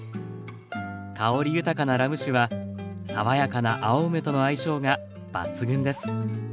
香り豊かなラム酒は爽やかな青梅との相性が抜群です。